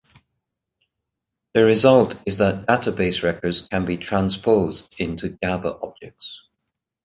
The result is that database records can be transposed into Java objects.